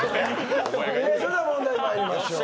それでは問題にまいりましょう。